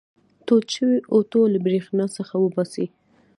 تود شوی اوتو له برېښنا څخه وباسئ.